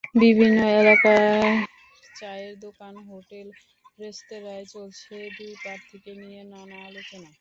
বিভিন্ন এলাকার চায়ের দোকান, হোটেল-রেস্তোরাঁয় চলছে দুই প্রার্থীকে নিয়ে নানা আলোচনা।